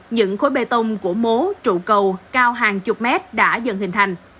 những khối bê tông của mố trụ cầu cao hàng chục mét đã dần hình thành